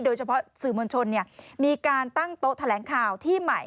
โดยเฉพาะสื่อมวลชนมีการตั้งโต๊ะแถลงข่าวที่ใหม่